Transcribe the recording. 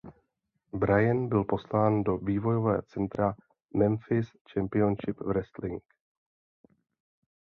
Brian byl poslán do vývojového centra Memphis Championship Wrestling.